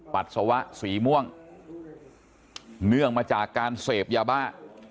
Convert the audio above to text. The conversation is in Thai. ปัสสาวะสีม่วงเนื่องมาจากการเสพยาบ้า